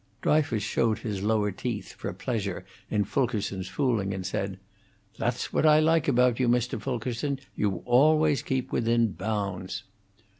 Dryfoos showed his lower teeth for pleasure in Fulkerson's fooling, and said, "That's what I like about you, Mr. Fulkerson you always keep within bounds."